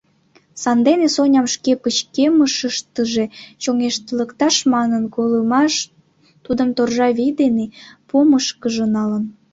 Сандене, Соням шке пычкемышыштыже чоҥештылыкташ манын, колымаш тудым торжа вий дене помышкыжо налын.